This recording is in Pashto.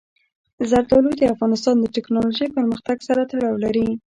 زردالو د افغانستان د تکنالوژۍ پرمختګ سره تړاو لري.